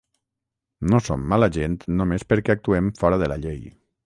No som mala gent només perquè actuem fora de la llei.